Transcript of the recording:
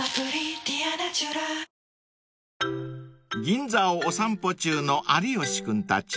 ［銀座をお散歩中の有吉君たち］